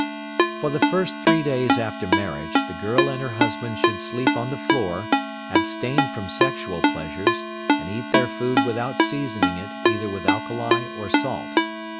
For the first three days after marriage, the girl and her husband should sleep on the floor, abstain from sexual pleasures, and eat their food without seasoning it either with alkali or salt.